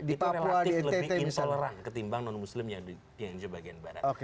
itu relatif lebih intoleran ketimbang non muslim yang di indonesia bagian barat